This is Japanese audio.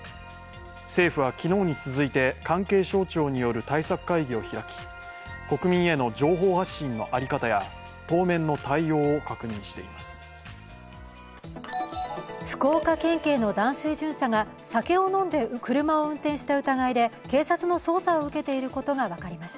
政府は昨日に続いて関係省庁による対策会議を開き国民への情報発信の在り方や当面の対応を確認しています。